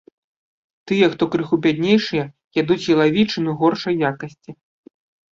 Тыя, хто крыху бяднейшыя, ядуць ялавічыну горшай якасці.